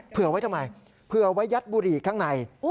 เผื่อไว้ทำไมเผื่อไว้ยัดบุหรี่ข้างใน